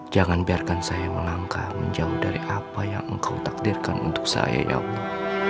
jangan biarkan saya melangkah menjauh dari apa yang engkau takdirkan untuk saya ya allah